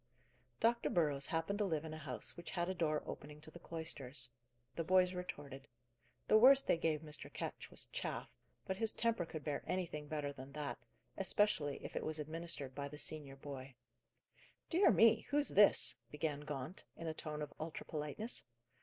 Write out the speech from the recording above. Dr. Burrows happened to live in a house which had a door opening to the cloisters. The boys retorted. The worst they gave Mr. Ketch was "chaff;" but his temper could bear anything better than that, especially if it was administered by the senior boy. "Dear me, who's this?" began Gaunt, in a tone of ultra politeness.